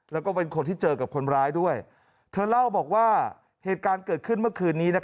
แล้วก็เป็นคนที่เจอกับคนร้ายด้วยเธอเล่าบอกว่าเหตุการณ์เกิดขึ้นเมื่อคืนนี้